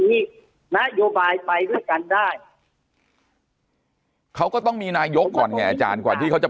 นโยบายไปด้วยกันได้เขาก็ต้องมีนายกก่อนไงอาจารย์กว่าที่เขาจะ